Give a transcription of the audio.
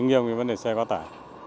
nhiều cái vấn đề xe quá tải